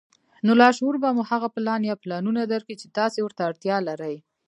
نو لاشعور به مو هغه پلان يا پلانونه درکړي چې تاسې ورته اړتيا لرئ.